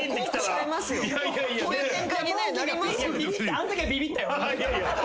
あんときはビビったよ。